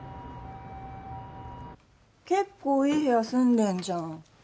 結構いい部屋住んでんじゃん。